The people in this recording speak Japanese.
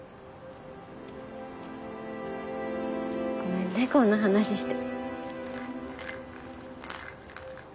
ごめんねこんな話して。